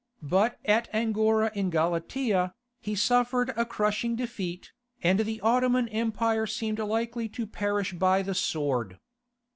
But at Angora in Galatia, he suffered a crushing defeat, and the Ottoman Empire seemed likely to perish by the sword.